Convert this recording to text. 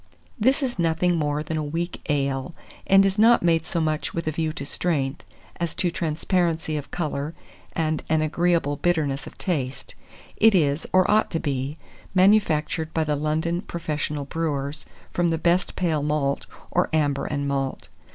This is nothing more than a weak ale, and is not made so much with a view to strength, as to transparency of colour and an agreeable bitterness of taste. It is, or ought to be, manufactured by the London professional brewers, from the best pale malt, or amber and malt.